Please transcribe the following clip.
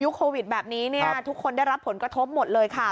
โควิดแบบนี้เนี่ยทุกคนได้รับผลกระทบหมดเลยค่ะ